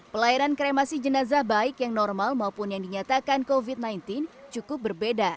pelayanan kremasi jenazah baik yang normal maupun yang dinyatakan covid sembilan belas cukup berbeda